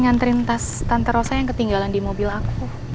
nganterin tas tante rosa yang ketinggalan di mobil aku